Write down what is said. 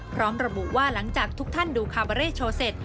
พร้อมระบุว่าหลังจากทุกท่านดูคาบาเร่โชว์เสร็จ